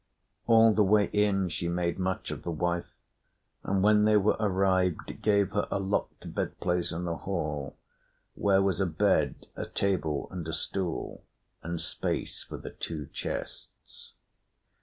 All the way in she made much of the wife; and when they were arrived gave her a locked bed place in the hall, where was a bed, a table, and a stool, and space for the two chests.